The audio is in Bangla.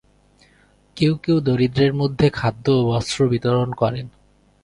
কেউ কেউ দরিদ্রদের মধ্যে খাদ্য ও বস্ত্র বিতরণ করেন।